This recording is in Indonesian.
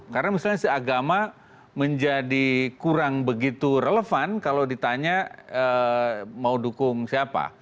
karena misalnya seagama menjadi kurang begitu relevan kalau ditanya mau dukung siapa